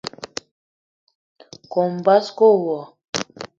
Kome basko wo.